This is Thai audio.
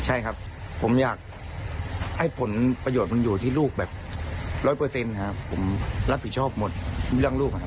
ใช่ครับผมอยากให้ผลประโยชน์มันอยู่ที่ลูกแบบร้อยเปอร์เซ็นต์ครับผมรับผิดชอบหมดเรื่องลูกครับ